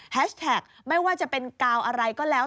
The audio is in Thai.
แท็กไม่ว่าจะเป็นกาวอะไรก็แล้ว